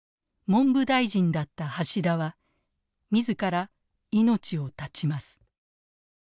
文部大臣だった橋田は自ら命を絶ちます。